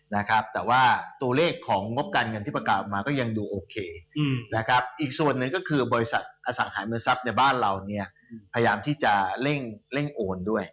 นะครับแต่ว่าตัวเลขของงบการเงินที่ประกาศออกมาก็ยังดูโอเคนะครับอีกส่วนหนึ่งก็คือบริษัทอสังหาเมืองทรัพย์ในบ้านเราเนี่ยพยายามที่จะเร่งโอนด้วย